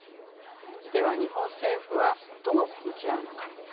では、日本政府はどう向き合うのか。